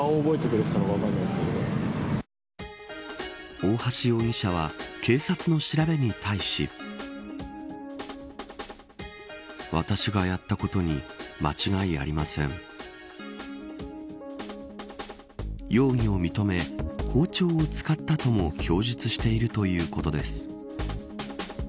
大橋容疑者は警察の調べに対し。容疑を認め包丁を使ったとも供述しているということです。